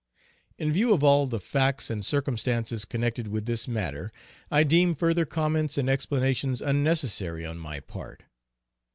In view of all the facts and circumstances connected with this matter, I deem further comments and explanations unnecessary on my part.